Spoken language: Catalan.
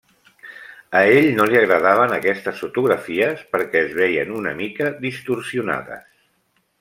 A ell no li agradaven aquestes fotografies perquè es veien una mica distorsionades.